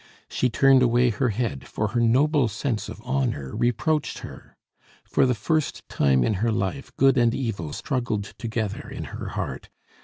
She turned away her head, for her noble sense of honor reproached her. For the first time in her life good and evil struggled together in her heart.